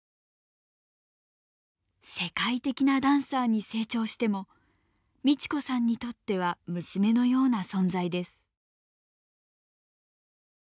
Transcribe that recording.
世界的なダンサーに成長しても美智子さんにとっては娘のような存在です。